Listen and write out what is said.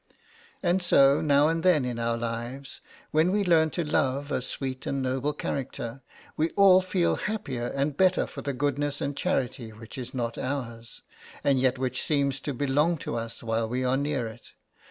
And so now and then in our lives, when we learn to love a sweet and noble character, we all feel happier and better for the goodness and charity which is not ours, and yet which seems to belong to us while we are near it.